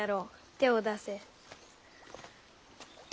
手を出せ。